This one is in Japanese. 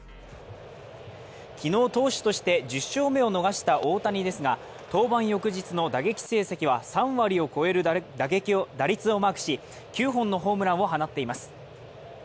昨日、党首として１０勝目を逃した大谷ですが、登板翌日の打撃成績は３割を超える打率をマークし、９本のホームランを放っています。